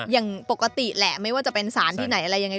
อย่างปกติแหละไม่ว่าจะเป็นสารที่ไหนอะไรยังไง